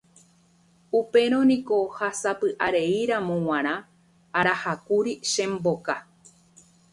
Upérõ niko ha sapy'areíramo g̃uarã arahákuri che mboka.